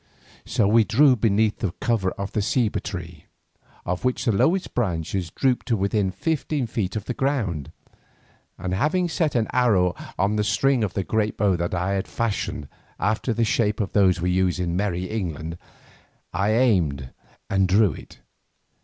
So we drew beneath the cover of a ceiba tree, of which the lowest branches drooped to within fifteen feet of the ground, and having set an arrow on the string of the great bow that I had fashioned after the shape of those we use in merry England, I aimed and drew it.